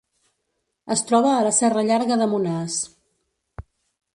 Es troba a la Serra Llarga de Monars.